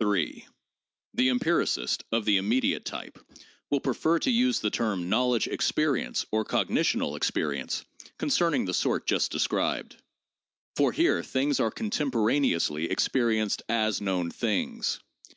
3. The empiricist (of the immediate type) will prefer to use the term knowledge experience, or cognitional experience, concerning the sort just described. For here things are contemporaneously experi enced as known things.